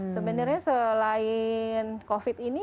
sebenarnya selain covid ini